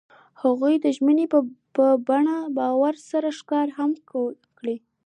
هغوی د ژمنې په بڼه باران سره ښکاره هم کړه.